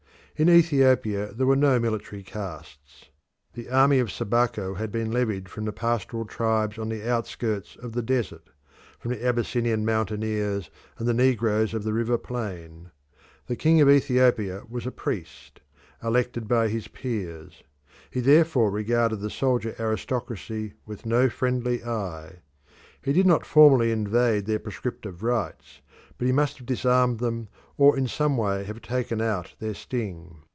In Ethiopia there was no military caste. The army of Sabaco had been levied from the pastoral tribes on the outskirts of the desert, from the Abyssinian mountaineers and the negroes of the river plain. The king of Ethiopia was a priest, elected by his peers. He therefore regarded the soldier aristocracy with no friendly eye. He did not formally invade their prescriptive rights, but he must have disarmed them or in some way have taken out their sting.